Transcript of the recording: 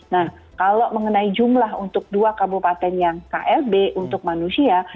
nah kalau mengenai jumlah untuk dua kabupaten yang klb untuk manusia